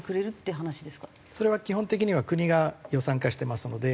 それは基本的には国が予算化してますので。